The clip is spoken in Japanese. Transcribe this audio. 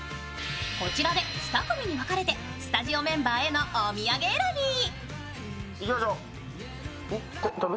こちらで２組に分かれてスタジオメンバーへのお土産選び。